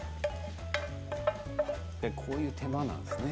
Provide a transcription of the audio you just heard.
こういう手間なんですね。